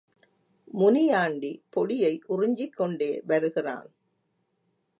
முனியாண்டி பொடியை உறிஞ்சிக்கொண்டே வருகிறான்.